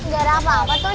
gak ada apa apa tony